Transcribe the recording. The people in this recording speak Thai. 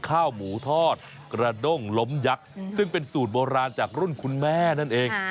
ข้าวหมูทอดกระด้งล้มยักษ์ซึ่งเป็นสูตรโบราณจากรุ่นคุณแม่นั่นเอง